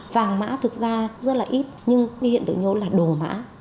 vàng mã thực ra rất là ít nhưng cái hiện tượng nhô là đồ mã